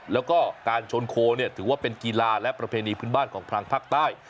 แล้วก็การชนโคถือว่าเป็นกีฬาและประเพณีพื้นบ้านของทางภาคใต้